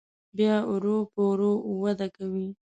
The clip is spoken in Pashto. بیا ورو په ورو وده کوي.